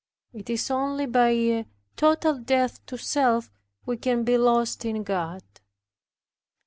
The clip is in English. It is only by a total death to self we can be lost in God.